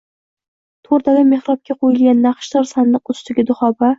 Toʼrdagi mehrobga qoʼyilgan naqshdor sandiq ustiga duxoba